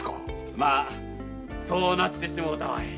まぁそうなってしもうたわい。